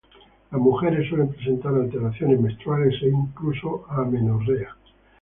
Las mujeres suelen presentar alteraciones menstruales e incluso amenorrea.